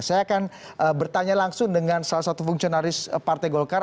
saya akan bertanya langsung dengan salah satu fungsionaris partai golkar